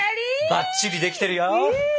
ばっちりできてるよ！